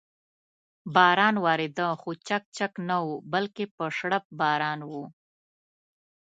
باران ورېده، خو څک څک نه و، بلکې په شړپ باران و.